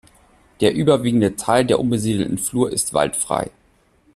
Der überwiegende Teil der unbesiedelten Flur ist waldfrei.